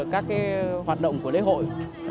các hoạt động của lễ hội